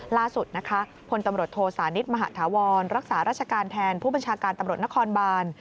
ล่าสุดนะคะพลตำรวจโทสานิทมหาธาวรรักษาราชการแทนผู้บัญชาการตำรวจนครบาน